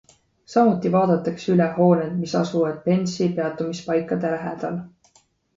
Samuti vaadatakse üle hooned, mis asuvad Pence'i peatumispaikade lähedal.